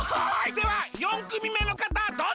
では４くみめのかたどうぞ！